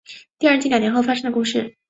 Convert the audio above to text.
第二季两年后发生的故事。